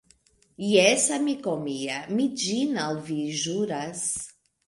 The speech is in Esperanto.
Jes, amiko mia, mi ĝin al vi ĵuras.